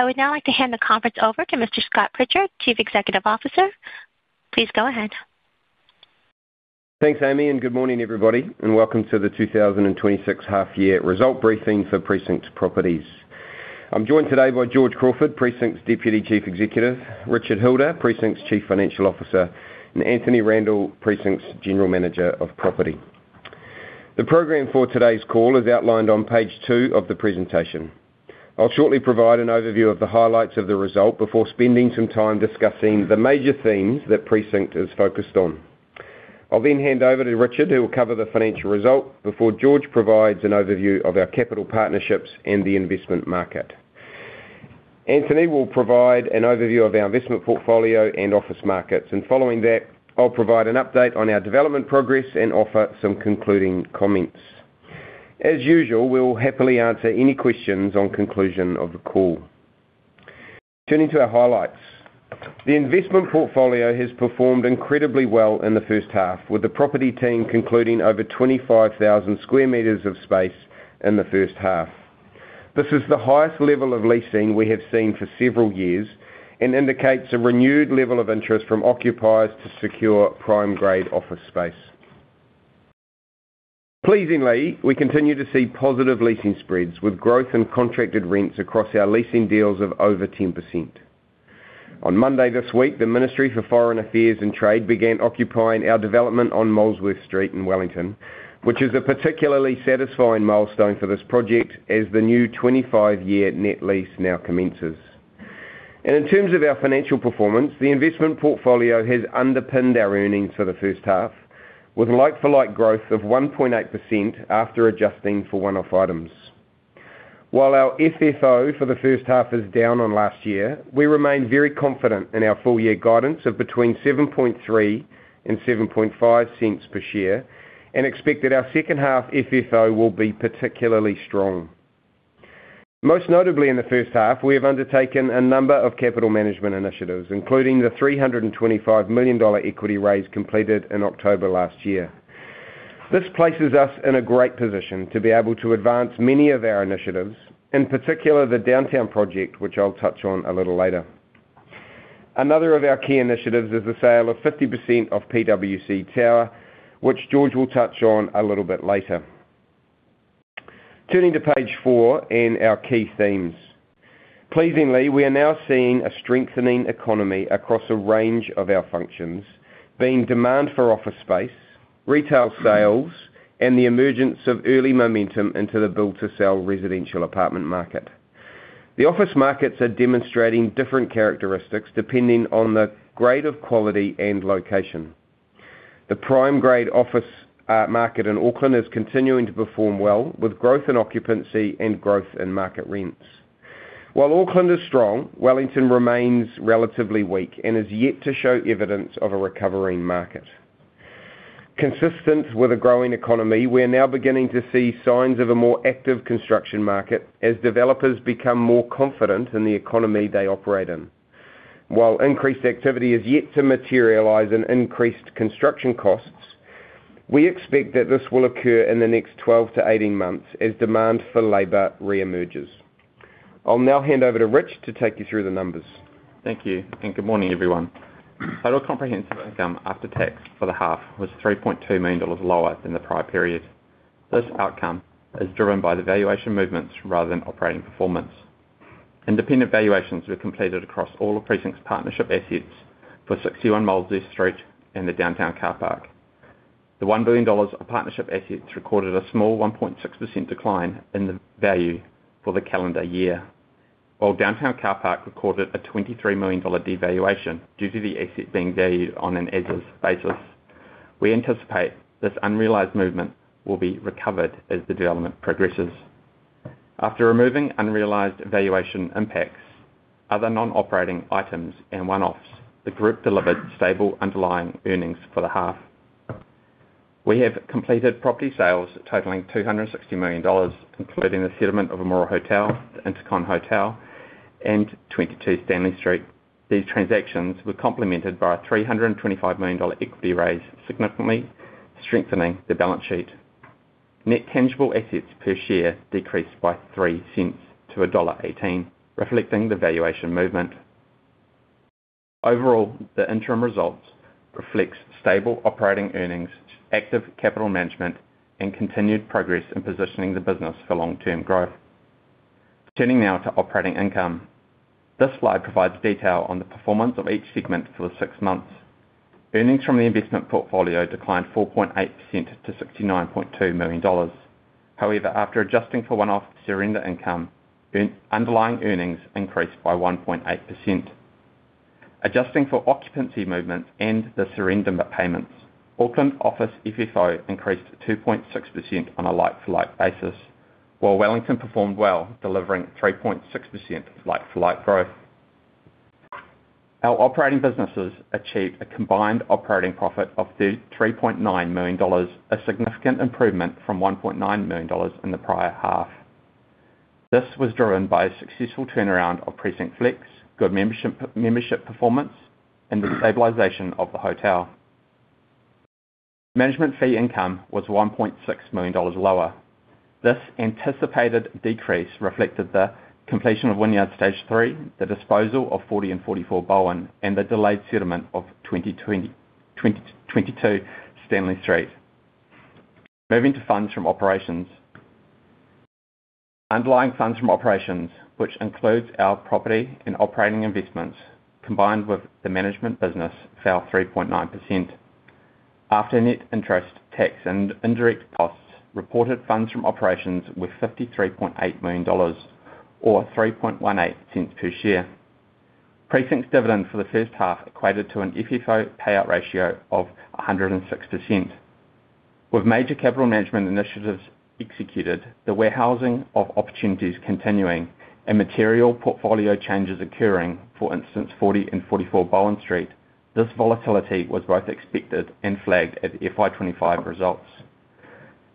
I would now like to hand the conference over to Mr. Scott Pritchard, Chief Executive Officer. Please go ahead. Thanks, Amy. Good morning, everybody, and welcome to the 2026 half year result briefing for Precinct Properties. I'm joined today by George Crawford, Precinct's Deputy Chief Executive, Richard Hilder, Precinct's Chief Financial Officer, and Anthony Randell, Precinct's General Manager of Property. The program for today's call is outlined on page 2 of the presentation. I'll shortly provide an overview of the highlights of the result before spending some time discussing the major themes that Precinct is focused on. I'll hand over to Richard, who will cover the financial result, before George provides an overview of our capital partnerships and the investment market. Anthony will provide an overview of our investment portfolio and office markets. Following that, I'll provide an update on our development progress and offer some concluding comments. As usual, we'll happily answer any questions on conclusion of the call. Turning to our highlights. The investment portfolio has performed incredibly well in the first half, with the property team concluding over 25,000 square meters of space in the first half. This is the highest level of leasing we have seen for several years and indicates a renewed level of interest from occupiers to secure prime grade office space. Pleasingly, we continue to see positive leasing spreads, with growth in contracted rents across our leasing deals of over 10%. On Monday this week, the Ministry of Foreign Affairs and Trade began occupying our development on Molesworth Street in Wellington, which is a particularly satisfying milestone for this project as the new 25-year net lease now commences. In terms of our financial performance, the investment portfolio has underpinned our earnings for the first half, with like-for-like growth of 1.8% after adjusting for one-off items. While our FFO for the first half is down on last year, we remain very confident in our full year guidance of between $0.073 and $0.075 per share, expect that our second half FFO will be particularly strong. Most notably in the first half, we have undertaken a number of capital management initiatives, including the $325 million equity raise completed in October last year. This places us in a great position to be able to advance many of our initiatives, in particular the downtown project, which I'll touch on a little later. Another of our key initiatives is the sale of 50% of PwC Tower, which George will touch on a little bit later. Turning to page 4 and our key themes. Pleasingly, we are now seeing a strengthening economy across a range of our functions, being demand for office space, retail sales, and the emergence of early momentum into the build-to-sell residential apartment market. The office markets are demonstrating different characteristics depending on the grade of quality and location. The prime grade office market in Auckland is continuing to perform well, with growth in occupancy and growth in market rents. While Auckland is strong, Wellington remains relatively weak and is yet to show evidence of a recovering market. Consistent with a growing economy, we are now beginning to see signs of a more active construction market as developers become more confident in the economy they operate in. While increased activity is yet to materialize in increased construction costs, we expect that this will occur in the next 12-18 months as demand for labor reemerges. I'll now hand over to Rich to take you through the numbers. Thank you. Good morning, everyone. Total comprehensive income after tax for the half was NZD 3.2 million lower than the prior period. This outcome is driven by the valuation movements rather than operating performance. Independent valuations were completed across all of Precinct's partnership assets for 61 Molesworth Street and the downtown car park. The 1 billion dollars of partnership assets recorded a small 1.6% decline in the value for the calendar year, while downtown car park recorded a 23 million dollar devaluation due to the asset being valued on an as-is basis. We anticipate this unrealized movement will be recovered as the development progresses. After removing unrealized valuation impacts, other non-operating items and one-offs, the group delivered stable underlying earnings for the half. We have completed property sales totaling 260 million dollars, including the settlement of Amora Hotel, the InterContinental Hotel, and 22 Stanley Street. These transactions were complemented by a 325 million dollar equity raise, significantly strengthening the balance sheet. Net tangible assets per share decreased by 0.03 to dollar 1.18, reflecting the valuation movement. Overall, the interim results reflects stable operating earnings, active capital management, and continued progress in positioning the business for long-term growth. Turning now to operating income. This slide provides detail on the performance of each segment for the six months. Earnings from the investment portfolio declined 4.8% to 69.2 million dollars. After adjusting for one-off surrender income, underlying earnings increased by 1.8%. Adjusting for occupancy movement and the surrender payments, Auckland office FFO increased 2.6% on a like-for-like basis, while Wellington performed well, delivering 3.6% like-for-like growth. Our operating businesses achieved a combined operating profit of 3.9 million dollars, a significant improvement from 1.9 million dollars in the prior half. This was driven by a successful turnaround of Precinct Flex, good membership performance, and the stabilization of the hotel. Management fee income was 1.6 million dollars lower. This anticipated decrease reflected the completion of Wynyard Stage III, the disposal of 40 and 44 Bowen, and the delayed settlement of 2022 Stanley Street. Moving to funds from operations. Underlying funds from operations, which includes our property and operating investments, combined with the management business, fell 3.9%. After net interest, tax, and indirect costs, reported funds from operations were 53.8 million dollars or 0.0318 per share. Precinct's dividend for the first half equated to an FFO payout ratio of 106%. With major capital management initiatives executed, the warehousing of opportunities continuing, and material portfolio changes occurring, for instance, 40 and 44 Bowen Street, this volatility was both expected and flagged at FY25 results.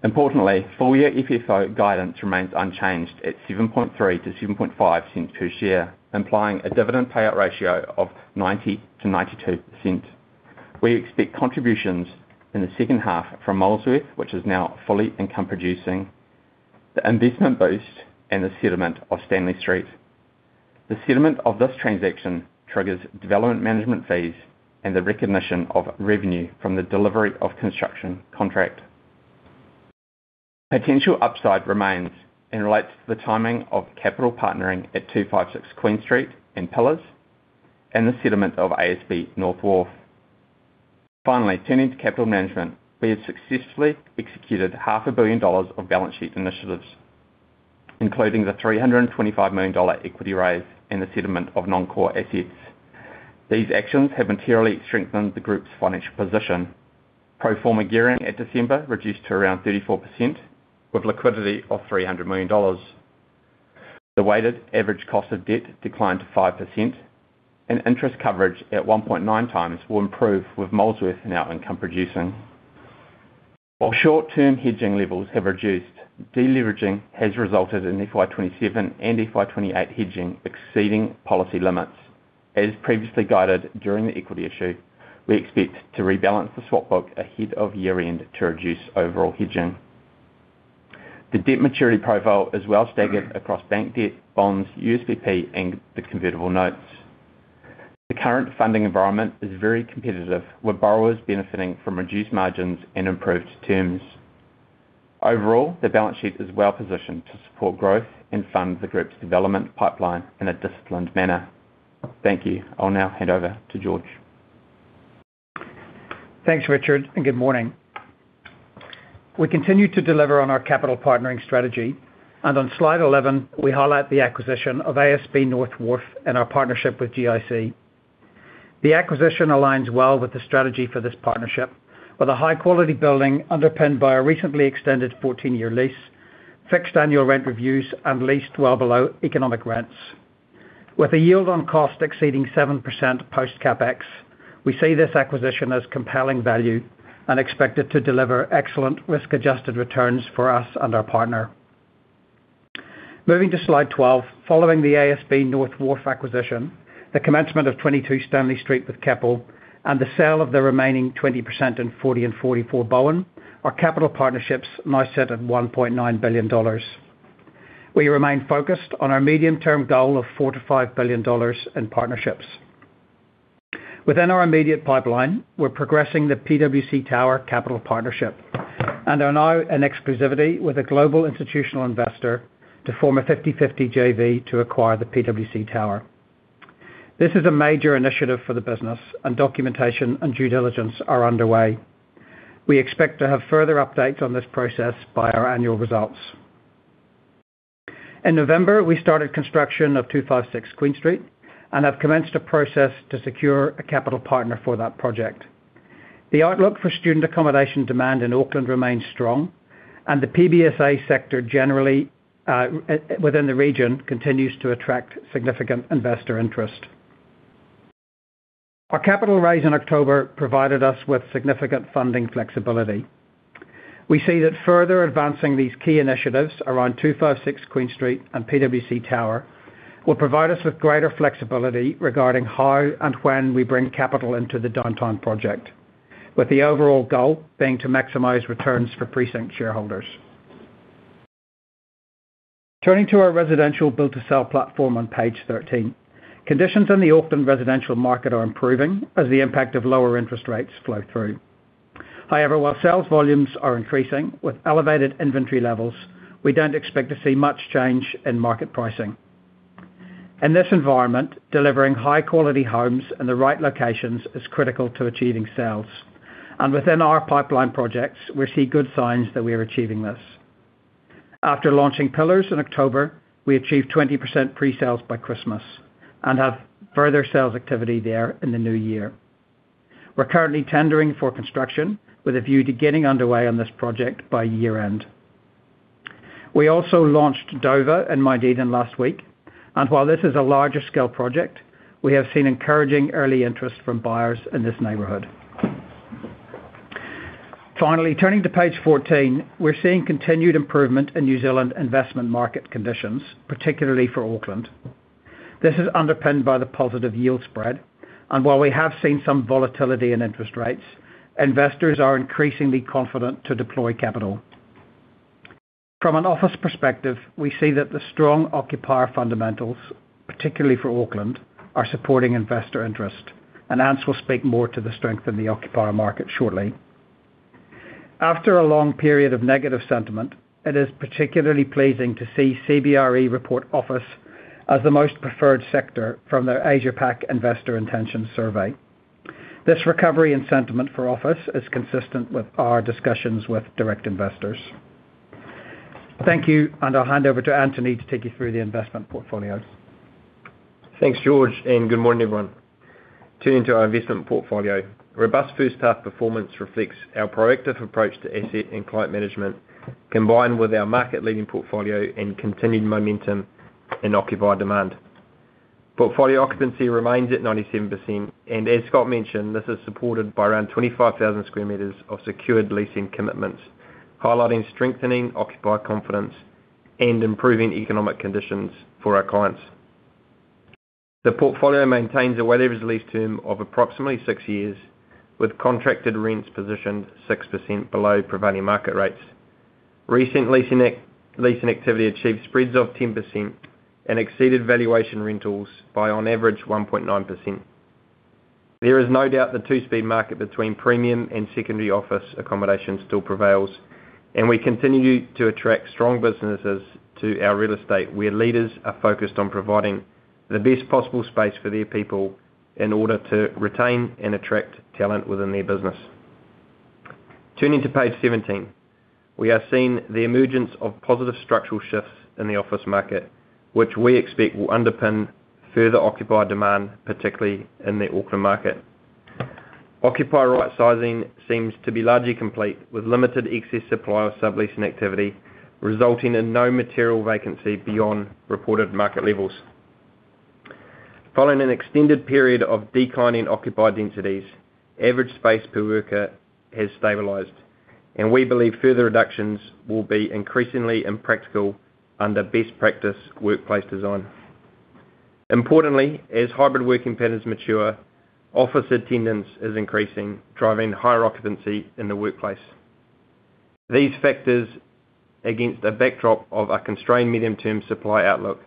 Importantly, full year FFO guidance remains unchanged at 0.073-0.075 per share, implying a dividend payout ratio of 90%-92%. We expect contributions in the second half from Molesworth, which is now fully income producing, the investment boost, and the settlement of Stanley Street. The settlement of this transaction triggers development management fees and the recognition of revenue from the delivery of construction contract. Potential upside remains and relates to the timing of capital partnering at 256 Queen Street and Pillars, and the settlement of ASB North Wharf. Finally, turning to capital management. We have successfully executed 500 million dollars of balance sheet initiatives, including the 325 million dollar equity raise and the settlement of non-core assets. These actions have materially strengthened the group's financial position. Pro forma gearing at December reduced to around 34%, with liquidity of 300 million dollars. The weighted average cost of debt declined to 5%, and interest coverage at 1.9 times will improve with Molesworth now income producing. While short-term hedging levels have reduced, deleveraging has resulted in FY27 and FY28 hedging exceeding policy limits. As previously guided during the equity issue, we expect to rebalance the swap book ahead of year-end to reduce overall hedging. The debt maturity profile is well staggered across bank debt, bonds, USPP, and the convertible notes. The current funding environment is very competitive, with borrowers benefiting from reduced margins and improved terms. Overall, the balance sheet is well positioned to support growth and fund the group's development pipeline in a disciplined manner. Thank you. I'll now hand over to George. Thanks, Richard. Good morning. We continue to deliver on our capital partnering strategy. On slide 11, we highlight the acquisition of ASB North Wharf and our partnership with GIC. The acquisition aligns well with the strategy for this partnership, with a high-quality building underpinned by a recently extended 14-year lease, fixed annual rent reviews, and leased well below economic rents. With a yield on cost exceeding 7% post CapEx, we see this acquisition as compelling value and expect it to deliver excellent risk-adjusted returns for us and our partner. Moving to slide 12. Following the ASB North Wharf acquisition, the commencement of 22 Stanley Street with Keppel, and the sale of the remaining 20% in 40 and 44 Bowen, our capital partnerships now sit at 1.9 billion dollars. We remain focused on our medium-term goal of 4 billion-5 billion dollars in partnerships. Within our immediate pipeline, we're progressing the PwC Tower capital partnership, and are now in exclusivity with a global institutional investor to form a 50/50 JV to acquire the PwC Tower. This is a major initiative for the business, and documentation and due diligence are underway. We expect to have further updates on this process by our annual results. In November, we started construction of 256 Queen Street and have commenced a process to secure a capital partner for that project. The outlook for student accommodation demand in Auckland remains strong, and the PBSA sector generally within the region continues to attract significant investor interest. Our capital raise in October provided us with significant funding flexibility. We see that further advancing these key initiatives around 256 Queen Street and PwC Tower will provide us with greater flexibility regarding how and when we bring capital into the downtown project, with the overall goal being to maximize returns for Precinct shareholders. Turning to our residential build-to-sell platform on page 13. Conditions in the Auckland residential market are improving as the impact of lower interest rates flow through. However, while sales volumes are increasing, with elevated inventory levels, we don't expect to see much change in market pricing. In this environment, delivering high-quality homes in the right locations is critical to achieving sales, and within our pipeline projects, we see good signs that we are achieving this. After launching Pillars in October, we achieved 20% pre-sales by Christmas and have further sales activity there in the new year. We're currently tendering for construction, with a view to getting underway on this project by year-end. We also launched Dover in Madden last week. While this is a larger scale project, we have seen encouraging early interest from buyers in this neighborhood. Finally, turning to page 14, we're seeing continued improvement in New Zealand investment market conditions, particularly for Auckland. This is underpinned by the positive yield spread. While we have seen some volatility in interest rates, investors are increasingly confident to deploy capital. From an office perspective, we see that the strong occupier fundamentals, particularly for Auckland, are supporting investor interest. Ants will speak more to the strength in the occupier market shortly. After a long period of negative sentiment, it is particularly pleasing to see CBRE report office as the most preferred sector from their Asia Pacific Investor Intentions Survey. This recovery in sentiment for office is consistent with our discussions with direct investors. Thank you, and I'll hand over to Anthony to take you through the investment portfolios. Thanks, George, and good morning, everyone. Turning to our investment portfolio. Robust first half performance reflects our proactive approach to asset and client management, combined with our market-leading portfolio and continued momentum in occupier demand. Portfolio occupancy remains at 97%, and as Scott mentioned, this is supported by around 25,000 square meters of secured leasing commitments, highlighting strengthening occupier confidence and improving economic conditions for our clients. The portfolio maintains a weighted average lease term of approximately 6 years, with contracted rents positioned 6% below prevailing market rates. Recent leasing activity achieved spreads of 10% and exceeded valuation rentals by, on average, 1.9%. There is no doubt the two-speed market between premium and secondary office accommodation still prevails, and we continue to attract strong businesses to our real estate, where leaders are focused on providing the best possible space for their people in order to retain and attract talent within their business. Turning to page 17. We are seeing the emergence of positive structural shifts in the office market, which we expect will underpin further occupier demand, particularly in the Auckland market. Occupier right-sizing seems to be largely complete, with limited excess supply of subleasing activity, resulting in no material vacancy beyond reported market levels. Following an extended period of declining occupier densities, average space per worker has stabilized, and we believe further reductions will be increasingly impractical under best practice workplace design. Importantly, as hybrid working patterns mature, office attendance is increasing, driving higher occupancy in the workplace. These factors, against a backdrop of a constrained medium-term supply outlook,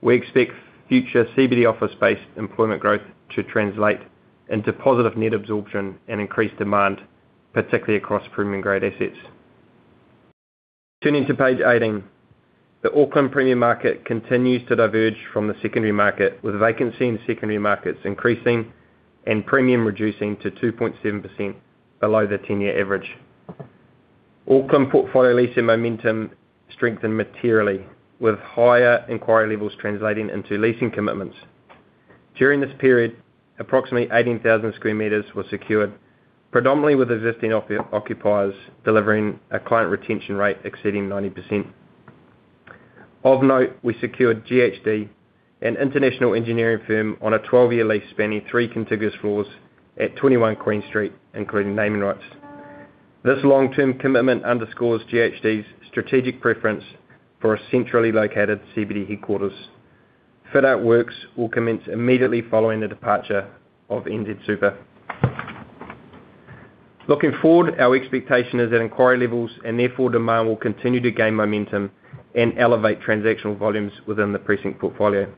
we expect future CBD office space employment growth to translate into positive net absorption and increased demand, particularly across premium-grade assets. Turning to page 18. The Auckland premium market continues to diverge from the secondary market, with vacancy in secondary markets increasing and premium reducing to 2.7% below the 10-year average. Auckland portfolio leasing momentum strengthened materially, with higher inquiry levels translating into leasing commitments. During this period, approximately 18,000 sq m were secured, predominantly with existing occupiers, delivering a client retention rate exceeding 90%. Of note, we secured GHD, an international engineering firm, on a 12-year lease spanning three contiguous floors at 21 Queen Street, including naming rights. This long-term commitment underscores GHD's strategic preference for a centrally located CBD headquarters. Fit-out works will commence immediately following the departure of NZ Super. Looking forward, our expectation is that inquiry levels, and therefore demand, will continue to gain momentum and elevate transactional volumes within the Precinct portfolio.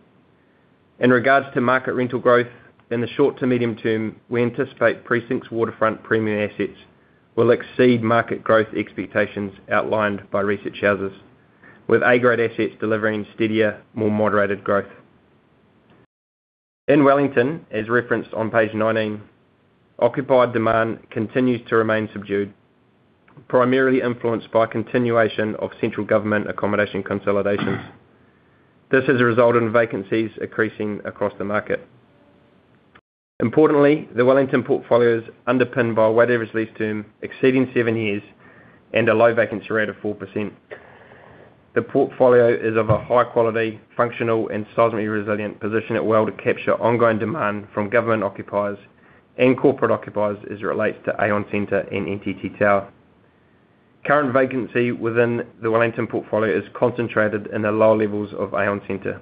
In regards to market rental growth, in the short to medium term, we anticipate Precinct's waterfront premium assets will exceed market growth expectations outlined by research houses, with A-grade assets delivering steadier, more moderated growth. In Wellington, as referenced on page 19, occupier demand continues to remain subdued, primarily influenced by continuation of central government accommodation consolidations. This has resulted in vacancies increasing across the market. Importantly, the Wellington portfolio is underpinned by a weighted average lease term exceeding 7 years and a low vacancy rate of 4%. The portfolio is of a high quality, functional, and seismically resilient position at well to capture ongoing demand from government occupiers and corporate occupiers as it relates to Aon Centre and NTT Tower. Current vacancy within the Wellington portfolio is concentrated in the lower levels of Aon Centre.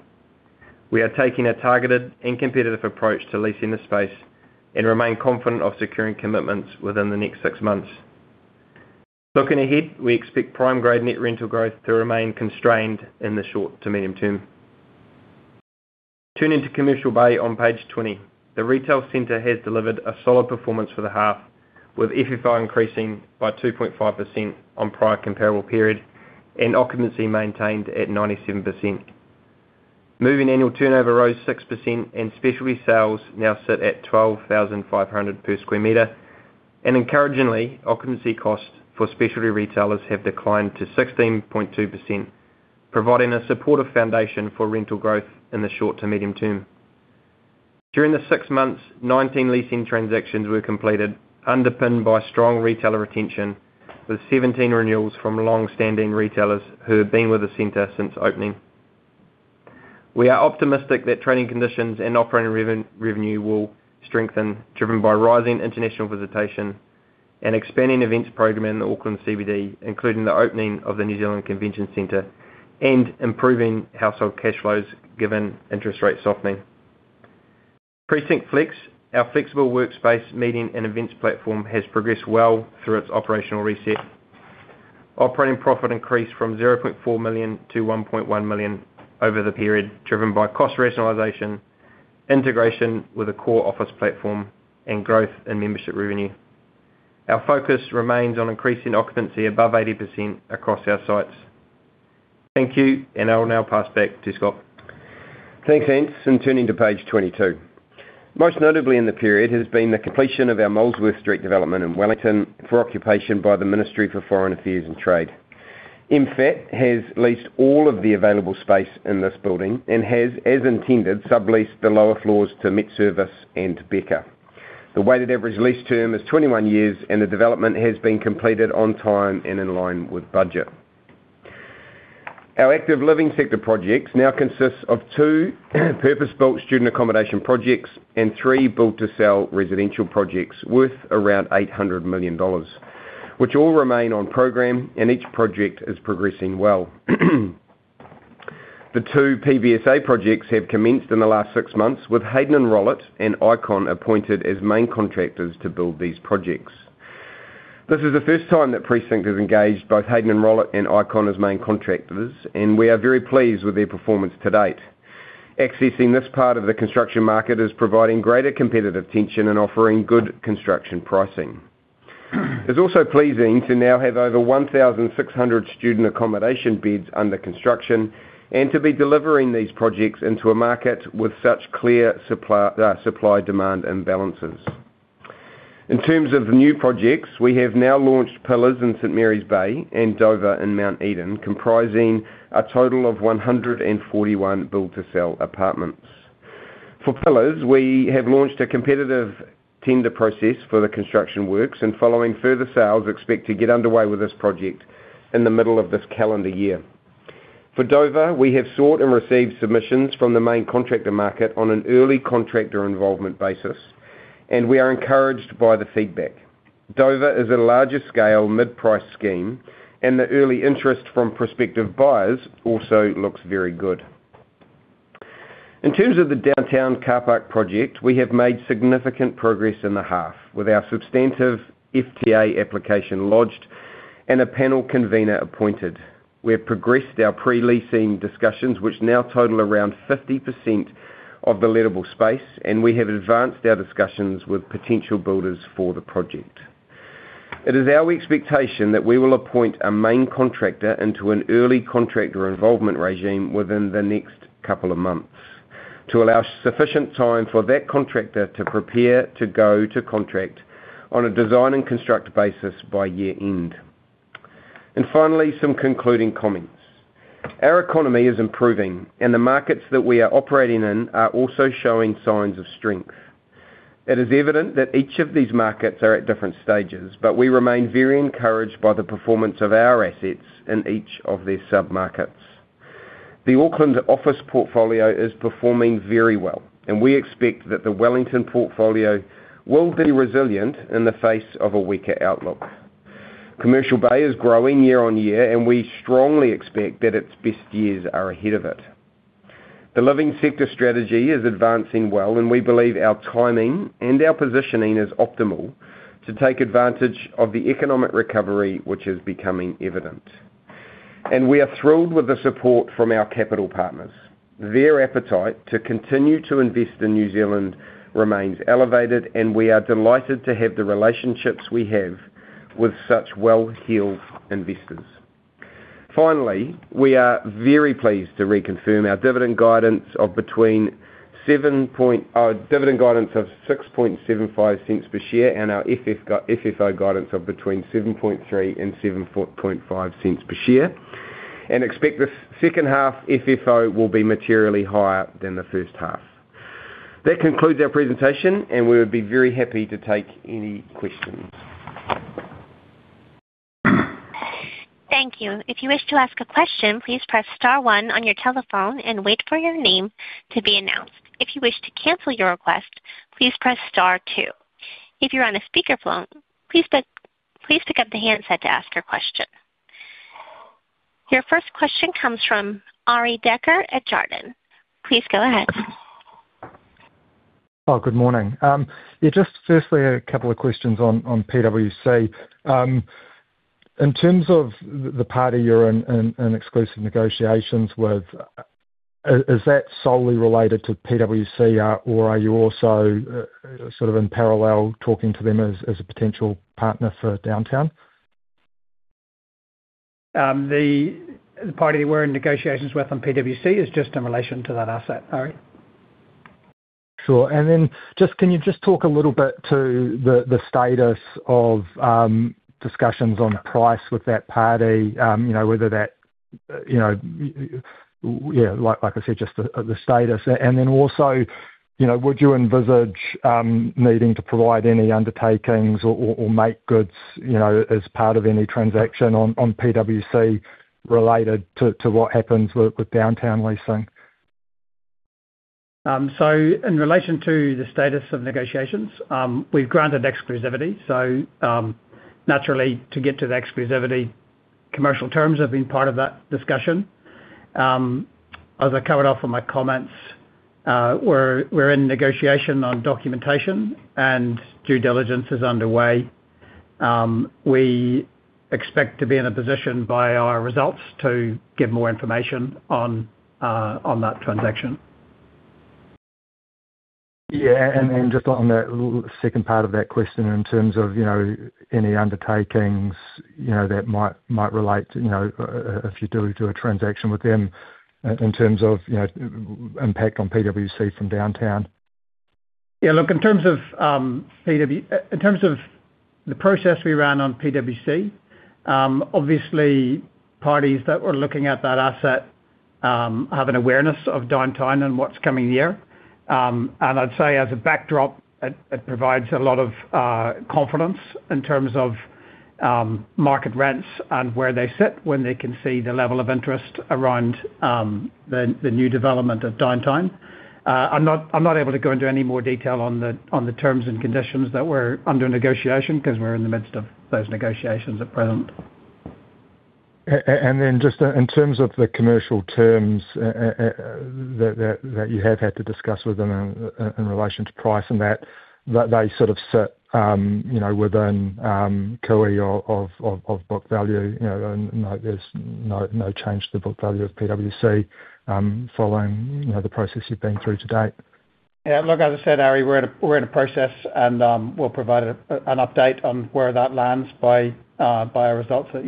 We are taking a targeted and competitive approach to leasing this space and remain confident of securing commitments within the next six months. Looking ahead, we expect prime grade net rental growth to remain constrained in the short to medium term. Turning to Commercial Bay on page 20. The retail center has delivered a solid performance for the half, with FFO increasing by 2.5% on prior comparable period, and occupancy maintained at 97%. Moving annual turnover rose 6%, and specialty sales now sit at 12,500 per square meter. Encouragingly, occupancy costs for specialty retailers have declined to 16.2%, providing a supportive foundation for rental growth in the short to medium term. During the 6 months, 19 leasing transactions were completed, underpinned by strong retailer retention, with 17 renewals from long-standing retailers who have been with the center since opening. We are optimistic that trading conditions and operating revenue will strengthen, driven by rising international visitation and expanding events program in the Auckland CBD, including the opening of the New Zealand Convention Centre and improving household cash flows given interest rate softening. Precinct Flex, our flexible workspace meeting and events platform, has progressed well through its operational reset. Operating profit increased from 0.4 million-1.1 million over the period, driven by cost rationalization, integration with a core office platform, and growth in membership revenue. Our focus remains on increasing occupancy above 80% across our sites. Thank you. I will now pass back to Scott. Thanks, Ants. Turning to page 22. Most notably in the period has been the completion of our Molesworth Street development in Wellington for occupation by the Ministry of Foreign Affairs and Trade. MFAT has leased all of the available space in this building and has, as intended, subleased the lower floors to MetService and Beca. The weighted average lease term is 21 years, and the development has been completed on time and in line with budget. Our active living sector projects now consists of two purpose-built student accommodation projects and three build-to-sell residential projects worth around 800 million dollars, which all remain on program, and each project is progressing well. The two PBSA projects have commenced in the last 6 months, with Haydn & Rollett and Icon appointed as main contractors to build these projects. This is the first time that Precinct has engaged both Haydn & Rollett and Icon as main contractors. We are very pleased with their performance to date. Accessing this part of the construction market is providing greater competitive tension and offering good construction pricing. It's also pleasing to now have over 1,600 student accommodation beds under construction and to be delivering these projects into a market with such clear supply-demand imbalances. In terms of the new projects, we have now launched Pillars in St. Mary's Bay and Bowen in Mount Eden, comprising a total of 141 build-to-sell apartments. For Pillars, we have launched a competitive tender process for the construction works. Following further sales, expect to get underway with this project in the middle of this calendar year. For Bowen, we have sought and received submissions from the main contractor market on an early contractor involvement basis. We are encouraged by the feedback. Bowen is a larger scale, mid-price scheme. The early interest from prospective buyers also looks very good. In terms of the downtown car park project, we have made significant progress in the half with our substantive FTA application lodged and a panel convener appointed. We have progressed our pre-leasing discussions, which now total around 50% of the lettable space. We have advanced our discussions with potential builders for the project. It is our expectation that we will appoint a main contractor into an early contractor involvement regime within the next couple of months to allow sufficient time for that contractor to prepare to go to contract on a design and construct basis by year end. Finally, some concluding comments. Our economy is improving, and the markets that we are operating in are also showing signs of strength. It is evident that each of these markets are at different stages, but we remain very encouraged by the performance of our assets in each of these sub-markets. The Auckland office portfolio is performing very well, and we expect that the Wellington portfolio will be resilient in the face of a weaker outlook. Commercial Bay is growing year on year, and we strongly expect that its best years are ahead of it. The living sector strategy is advancing well, and we believe our timing and our positioning is optimal to take advantage of the economic recovery, which is becoming evident. We are thrilled with the support from our capital partners. Their appetite to continue to invest in New Zealand remains elevated. We are delighted to have the relationships we have with such well-heeled investors. We are very pleased to reconfirm our dividend guidance of 0.0675 per share and our FFO guidance of between 0.073 and 0.0745 per share. We expect the second half FFO will be materially higher than the first half. That concludes our presentation. We would be very happy to take any questions. Thank you. If you wish to ask a question, please press star one on your telephone and wait for your name to be announced. If you wish to cancel your request, please press star two. If you're on a speakerphone, please pick up the handset to ask your question. Your first question comes from Arie Dekker at Jarden. Please go ahead. Good morning. Yeah, just firstly, a couple of questions on PWC. In terms of the party you're in exclusive negotiations with, is that solely related to PWC, or are you also sort of in parallel talking to them as a potential partner for downtown? The party we're in negotiations with on PWC is just in relation to that asset, Arie. Sure. Can you just talk a little bit to the status of discussions on price with that party, you know, whether that, you know, yeah, like I said, just the status? Also, you know, would you envisage needing to provide any undertakings or make goods, you know, as part of any transaction on PWC related to what happens with downtown leasing? In relation to the status of negotiations, we've granted exclusivity. Naturally, to get to the exclusivity, commercial terms have been part of that discussion. As I covered off on my comments, we're in negotiation on documentation, and due diligence is underway. We expect to be in a position by our results to give more information on that transaction. Yeah, then just on that second part of that question, in terms of, you know, any undertakings, you know, that might relate to, you know, if you do a transaction with them in terms of, you know, impact on PwC from Downtown. Yeah, look, in terms of the process we ran on PwC, obviously, parties that were looking at that asset, have an awareness of Downtown and what's coming here. I'd say, as a backdrop, it provides a lot of confidence in terms of market rents and where they sit when they can see the level of interest around the new development of Downtown. I'm not, I'm not able to go into any more detail on the terms and conditions that were under negotiation, 'cause we're in the midst of those negotiations at present. Just in terms of the commercial terms that you have had to discuss with them in relation to price, and that they sort of sit, you know, within COWIE of book value, you know, and there's no change to the book value of PwC, following, you know, the process you've been through to date. Yeah, look, as I said, Arie, we're in a process, and we'll provide an update on where that lands by our results at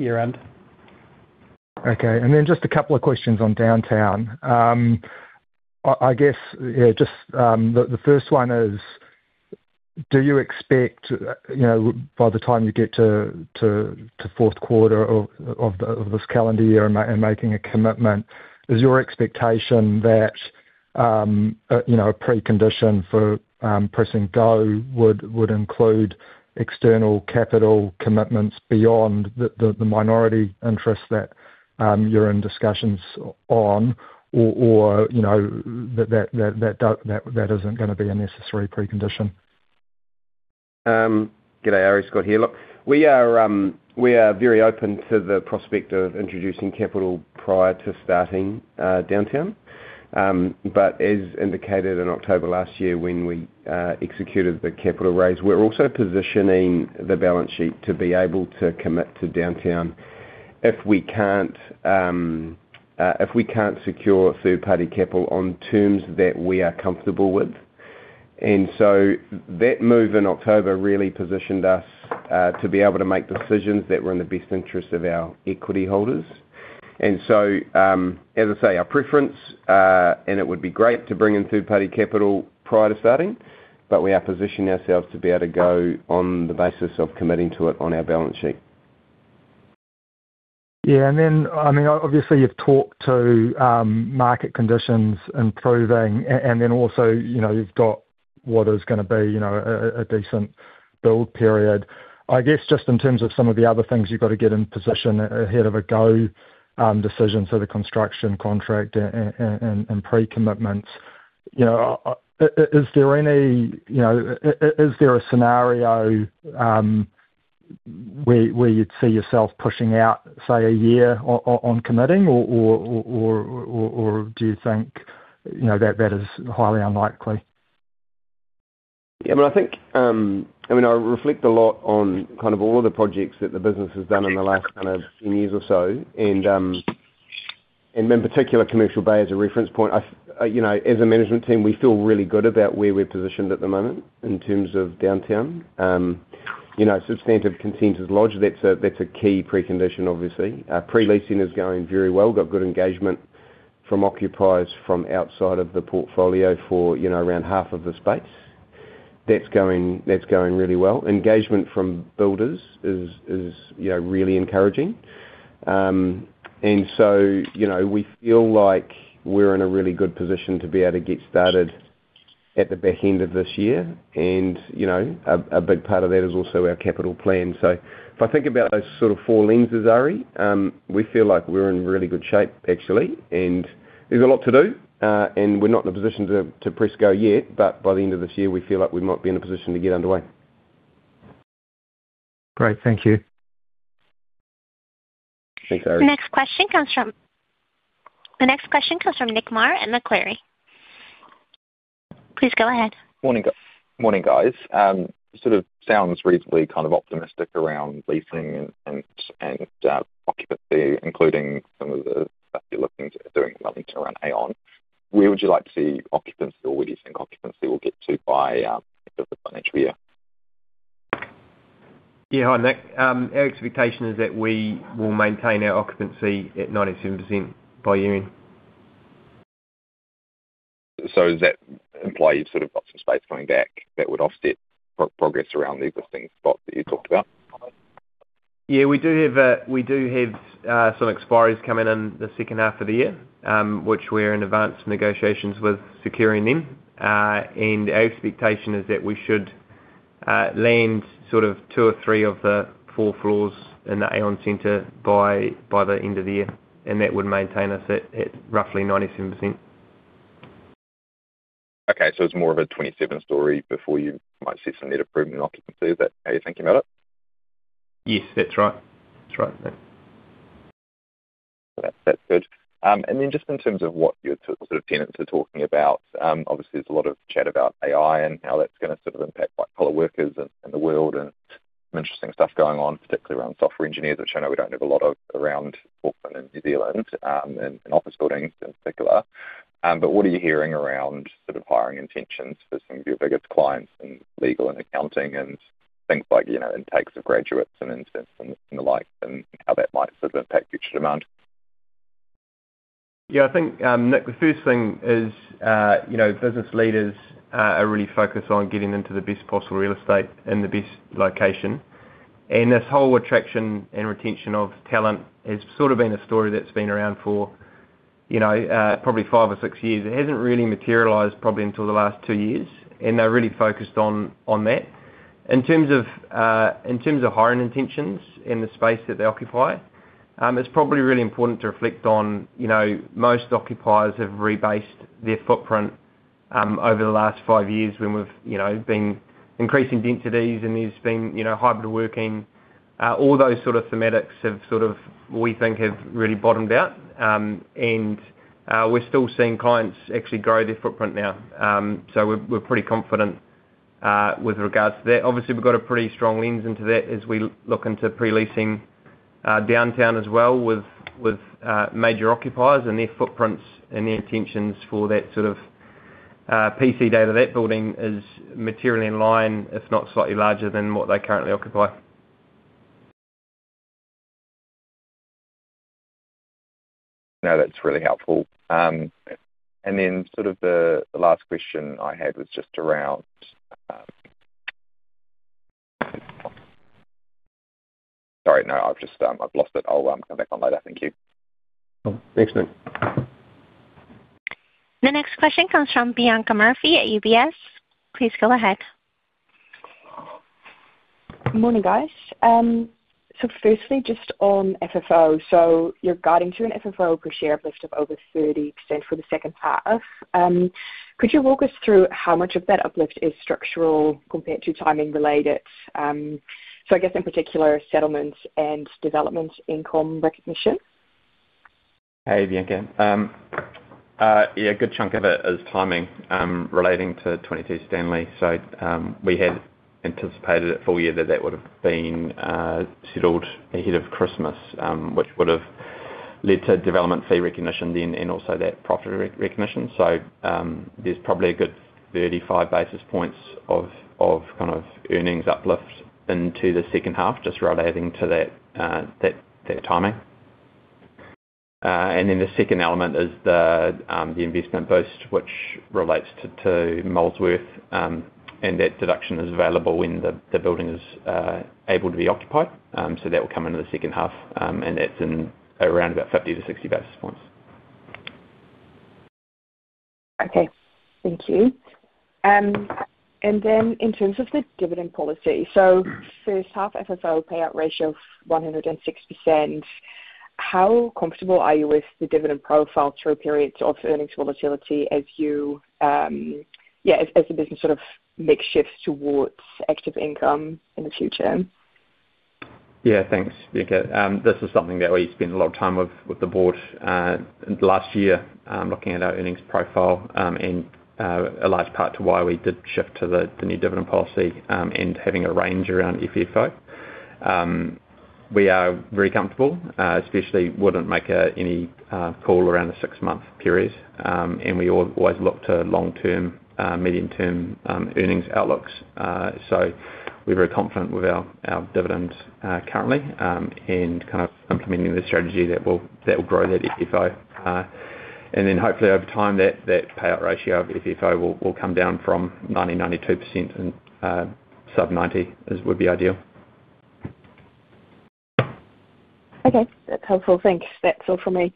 year-end. Okay. Just a couple of questions on Downtown. I guess, yeah, just, the first one is: do you expect, you know, by the time you get to fourth quarter of the this calendar year and making a commitment, is your expectation that, you know, a precondition for pressing go would include external capital commitments beyond the minority interest that you're in discussions on, or, you know, that isn't gonna be a necessary precondition? Good day, Arie, Scott here. Look, we are very open to the prospect of introducing capital prior to starting Downtown. As indicated in October last year, when we executed the capital raise, we're also positioning the balance sheet to be able to commit to Downtown if we can't, if we can't secure third-party capital on terms that we are comfortable with. That move in October really positioned us to be able to make decisions that were in the best interest of our equity holders. As I say, our preference, and it would be great to bring in third-party capital prior to starting, but we are positioning ourselves to be able to go on the basis of committing to it on our balance sheet. Yeah, I mean, obviously, you've talked to market conditions improving, and then also, you know, you've got what is gonna be, you know, a decent build period. I guess, just in terms of some of the other things you've got to get in position ahead of a go decision, so the construction contract and pre-commitments, you know, is there any... You know, is there a scenario where you'd see yourself pushing out, say, a year on committing or do you think, you know, that that is highly unlikely? I think, I mean, I reflect a lot on kind of all of the projects that the business has done in the last kind of 10 years or so. In particular, Commercial Bay as a reference point. You know, as a management team, we feel really good about where we're positioned at the moment in terms of Downtown. You know, substantive consent is lodged. That's a key precondition, obviously. Pre-leasing is going very well. Got good engagement from occupiers from outside of the portfolio for, you know, around half of the space. That's going really well. Engagement from builders is, you know, really encouraging. You know, we feel like we're in a really good position to be able to get started at the back end of this year, and, you know, a big part of that is also our capital plan. If I think about those sort of four lenses, Arie, we feel like we're in really good shape, actually. There's a lot to do, and we're not in a position to press go yet, but by the end of this year, we feel like we might be in a position to get underway. Great. Thank you. Thanks, Arie. The next question comes from Nick Marr and Macquarie. Please go ahead. Morning, morning, guys. sort of sounds reasonably kind of optimistic around leasing and occupancy, including some of the stuff you're looking to doing nothing around Aon. Where would you like to see occupancy, or where do you think occupancy will get to by, end of the financial year? Yeah. Hi, Nick. Our expectation is that we will maintain our occupancy at 97% by year-end. Does that imply you've sort of got some space coming back that would offset progress around the existing spots that you talked about? We do have some expiries coming in the second half of the year, which we're in advanced negotiations with securing them. Our expectation is that.... land sort of two or three of the four floors in the Aon Centre by the end of the year, and that would maintain us at roughly 97%. Okay, it's more of a 27 story before you might see some net improvement in occupancy. Is that how you're thinking about it? Yes, that's right. That's right, yeah. That's, that's good. Just in terms of what your sort of tenants are talking about, obviously, there's a lot of chat about AI and how that's gonna sort of impact white-collar workers and the world, and some interesting stuff going on, particularly around software engineers, which I know we don't have a lot of around Auckland and New Zealand, and office buildings in particular. What are you hearing around sort of hiring intentions for some of your biggest clients in legal and accounting and things like, you know, intakes of graduates and interns and the like, and how that might sort of impact future demand? Yeah, I think, Nick, the first thing is, you know, business leaders are really focused on getting into the best possible real estate and the best location. This whole attraction and retention of talent has sort of been a story that's been around for, you know, probably 5 or 6 years. It hasn't really materialized probably until the last 2 years, and they're really focused on that. In terms of in terms of hiring intentions in the space that they occupy, it's probably really important to reflect on, you know, most occupiers have rebased their footprint over the last 5 years when we've, you know, been increasing densities and there's been, you know, hybrid working. All those sort of Thematics have sort of, we think, have really bottomed out. We're still seeing clients actually grow their footprint now. We're pretty confident with regards to that. Obviously, we've got a pretty strong lens into that as we look into pre-leasing downtown as well, with major occupiers and their footprints and their intentions for that sort of PC data. That building is materially in line, if not slightly larger than what they currently occupy. No, that's really helpful. Then sort of the last question I had was just around. Sorry, no, I've just I've lost it. I'll come back on later. Thank you. Thanks, Nick. The next question comes from Bianca Murphy at UBS. Please go ahead. Good morning, guys. Firstly, just on FFO. You're guiding to an FFO per share uplift of over 30% for the second half. Could you walk us through how much of that uplift is structural compared to timing related? I guess in particular, settlements and development income recognition. Hey, Bianca. Yeah, a good chunk of it is timing relating to 22 Stanley. We had anticipated at full year that that would've been settled ahead of Christmas, which would've led to development fee recognition then, and also that profit re-recognition. There's probably a good 35 basis points of kind of earnings uplift into the second half, just relating to that timing. And then the second element is the investment boost, which relates to Molesworth, and that deduction is available when the building is able to be occupied. So that will come into the second half, and that's in around about 50 to 60 basis points. Okay. Thank you. In terms of the dividend policy, so first half FFO payout ratio of 160%, how comfortable are you with the dividend profile through periods of earnings volatility as you, yeah, as the business sort of makes shifts towards active income in the future? Yeah, thanks, Bianca. This is something that we spent a lot of time with the board last year, looking at our earnings profile, and a large part to why we did shift to the new dividend policy, and having a range around FFO. We are very comfortable, especially wouldn't make any call around a six-month period. We always look to long-term, medium-term earnings outlooks. We're very confident with our dividends currently, and kind of implementing the strategy that will, that will grow that FFO. Then hopefully over time, that payout ratio of FFO will come down from 90%-92% and sub-90 is, would be ideal. Okay. That's helpful. Thanks. That's all for me.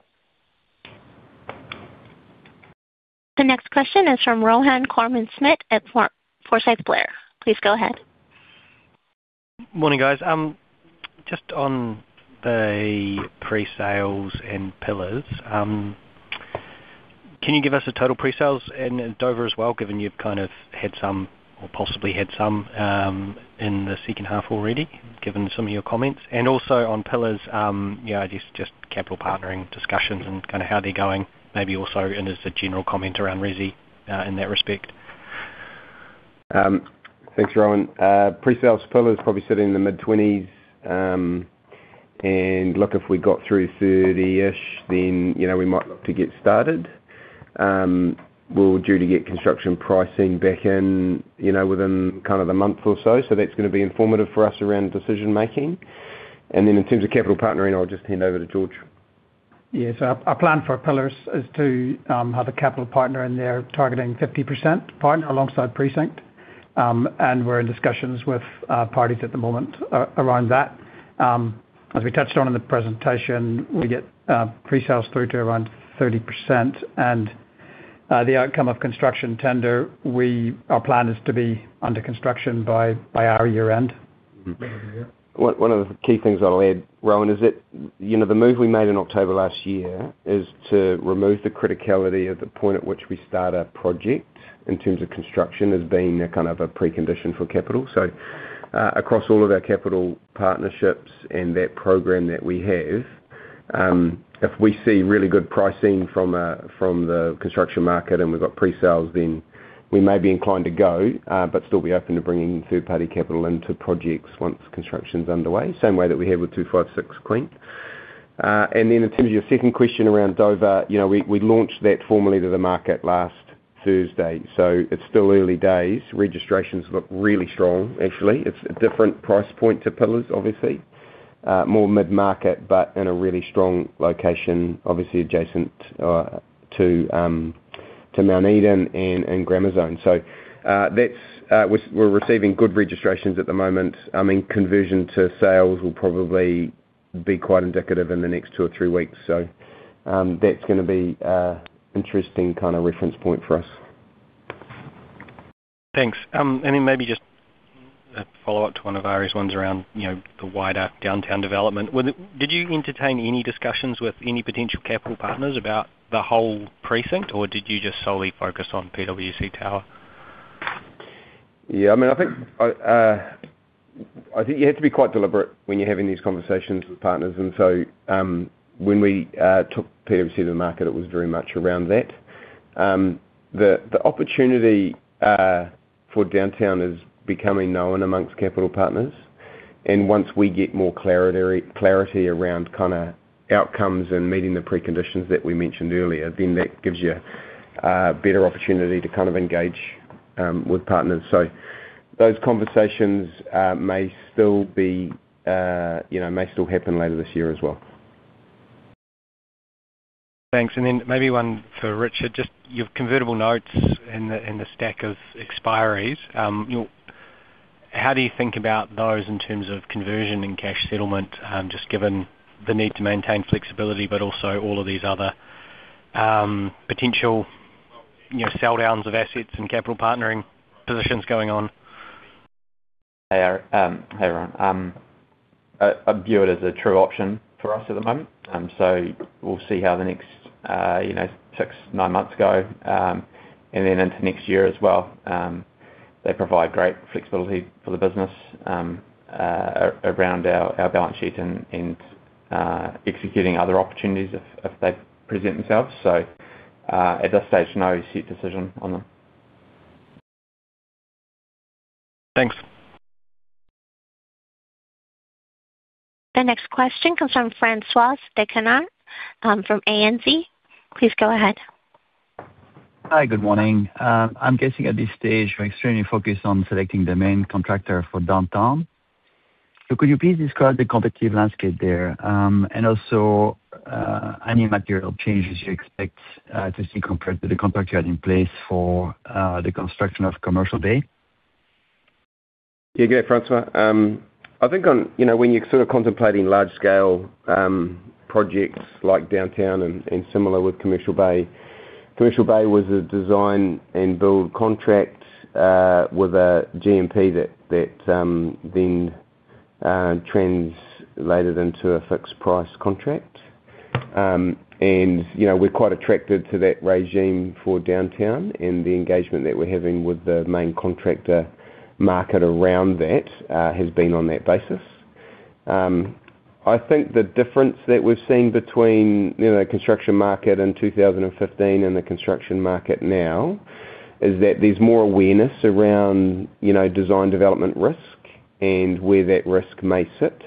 The next question is from Rohan Koreman-Smit at Forsyth Barr. Please go ahead. Morning, guys. Just on the pre-sales and Pillars, can you give us the total pre-sales and Bowen as well, given you've kind of had some or possibly had some in the second half already, given some of your comments? Also on Pillars, you know, just capital partnering discussions and kinda how they're going, maybe also as a general comment around Resi in that respect. Thanks, Rohan. Pre-sales Pillars probably sitting in the mid-20s, and look, if we got through 30-ish, then, you know, we might look to get started. We're due to get construction pricing back in, you know, within kind of a month or so. That's gonna be informative for us around decision making. Then in terms of capital partnering, I'll just hand over to George. Our plan for Pillars is to have a capital partner in there, targeting 50% partner alongside Precinct. We're in discussions with parties at the moment around that. As we touched on in the presentation, we get pre-sales through to around 30%.... the outcome of construction tender, our plan is to be under construction by our year-end. One of the key things I'll add, Rohan, is that, you know, the move we made in October last year is to remove the criticality of the point at which we start a project in terms of construction as being a kind of precondition for capital. Across all of our capital partnerships and that program that we have, if we see really good pricing from the construction market and we've got pre-sales, then we may be inclined to go, but still be open to bringing in third-party capital into projects once construction's underway. Same way that we have with 256 Queen. In terms of your second question around Dover, you know, we launched that formally to the market last Thursday, so it's still early days. Registrations look really strong, actually. It's a different price point to Pillars, obviously. More mid-market, but in a really strong location, obviously adjacent to Mount Eden and Grammar Zone. We're receiving good registrations at the moment. I mean, conversion to sales will probably be quite indicative in the next two or three weeks. That's gonna be a interesting kind of reference point for us. Thanks. Maybe just a follow-up to one of Arie's ones around, you know, the wider downtown development. Did you entertain any discussions with any potential capital partners about the whole precinct, or did you just solely focus on PWC Tower? Yeah, I mean, I think, I think you have to be quite deliberate when you're having these conversations with partners, and so, when we took PWC to the market, it was very much around that. The opportunity for downtown is becoming known amongst capital partners, and once we get more clarity around kinda outcomes and meeting the preconditions that we mentioned earlier, then that gives you better opportunity to kind of engage with partners. Those conversations, you know, may still be, may still happen later this year as well. Thanks. Maybe one for Richard, just your convertible notes and the, and the stack of expiries. How do you think about those in terms of conversion and cash settlement? Just given the need to maintain flexibility, but also all of these other, potential, you know, sell downs of assets and capital partnering positions going on. Hey, Arie, hey, everyone. I view it as a true option for us at the moment. We'll see how the next, you know, 6, 9 months go, then into next year as well. They provide great flexibility for the business around our balance sheet and executing other opportunities if they present themselves. At this stage, no set decision on them. Thanks. The next question comes from Francois D'Kenar, from ANZ. Please go ahead. Hi, good morning. I'm guessing at this stage, you're extremely focused on selecting the main contractor for Downtown. Could you please describe the competitive landscape there, any material changes you expect to see compared to the contract you had in place for the construction of Commercial Bay? Yeah, good, Francois. I think on, you know, when you're sort of contemplating large scale, projects like Downtown and similar with Commercial Bay, Commercial Bay was a design and build contract, with a GMP that, then translated into a fixed price contract. You know, we're quite attracted to that regime for Downtown, and the engagement that we're having with the main contractor market around that, has been on that basis. I think the difference that we've seen between, you know, the construction market in 2015 and the construction market now, is that there's more awareness around, you know, design, development, risk, and where that risk may sit.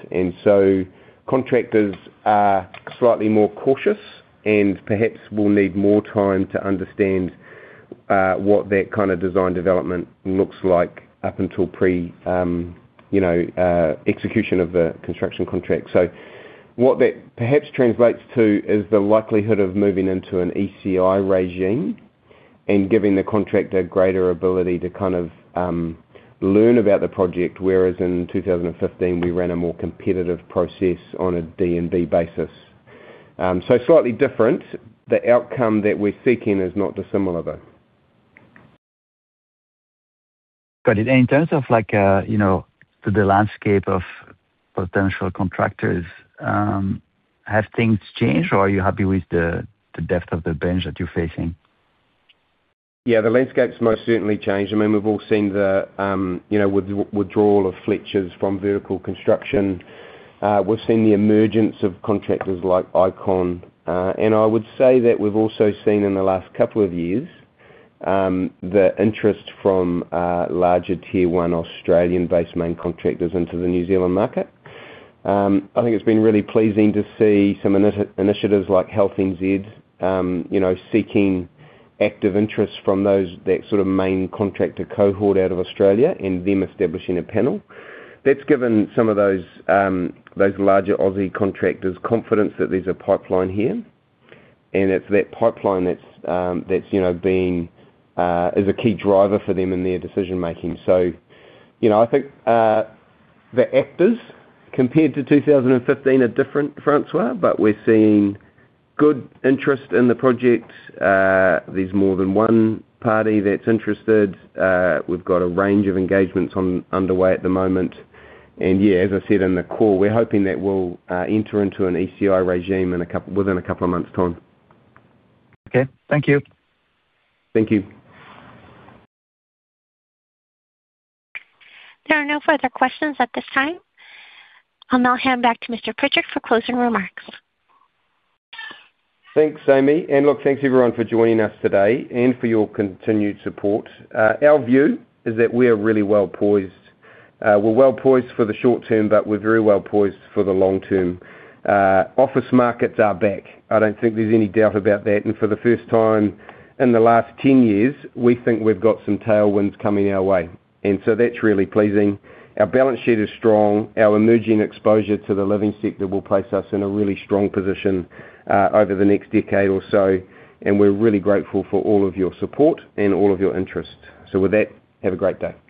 Contractors are slightly more cautious and perhaps will need more time to understand what that kind of design development looks like up until pre, you know, execution of the construction contract. What that perhaps translates to is the likelihood of moving into an ECI regime and giving the contractor greater ability to kind of learn about the project, whereas in 2015, we ran a more competitive process on a D&B basis. Slightly different. The outcome that we're seeking is not dissimilar, though. Got it. In terms of like, you know, to the landscape of potential contractors, have things changed, or are you happy with the depth of the bench that you're facing? Yeah, the landscape's most certainly changed. I mean, we've all seen the, you know, withdrawal of Fletcher Building from vertical construction. We've seen the emergence of contractors like Icon. I would say that we've also seen in the last couple of years, the interest from larger Tier 1 Australian-based main contractors into the New Zealand market. I think it's been really pleasing to see some initiatives like Health NZ, you know, seeking active interest from those, that sort of main contractor cohort out of Australia and them establishing a panel. That's given some of those larger Aussie contractors confidence that there's a pipeline here, and it's that pipeline that's, you know, is a key driver for them in their decision making. You know, I think the actors compared to 2015 are different, Francois, but we're seeing good interest in the project. There's more than one party that's interested. We've got a range of engagements on, underway at the moment, as I said in the call, we're hoping that we'll enter into an ECI regime within a couple of months' time. Okay. Thank you. Thank you. There are no further questions at this time. I'll now hand back to Mr. Pritchard for closing remarks. Thanks, Amy, and look, thanks, everyone, for joining us today and for your continued support. Our view is that we are really well poised. We're well poised for the short term, but we're very well poised for the long term. Office markets are back. I don't think there's any doubt about that, and for the first time in the last 10 years, we think we've got some tailwinds coming our way, and so that's really pleasing. Our balance sheet is strong. Our emerging exposure to the living sector will place us in a really strong position over the next decade or so, and we're really grateful for all of your support and all of your interest. With that, have a great day.